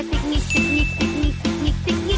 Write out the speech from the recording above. ไป